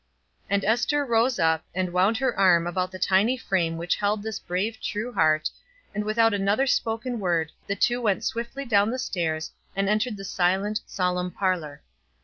And Ester rose up, and wound her arm about the tiny frame which held this brave true heart, and without another spoken word the two went swiftly down the stairs, and entered the silent, solemn parlor.